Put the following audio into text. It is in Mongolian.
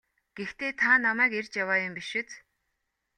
Гэхдээ та намайг эрж яваа юм биш биз?